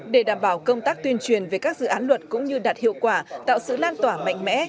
để đảm bảo công tác tuyên truyền về các dự án luật cũng như đạt hiệu quả tạo sự lan tỏa mạnh mẽ